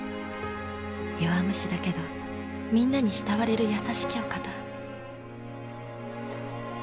弱虫だけどみんなに慕われる優しきお方。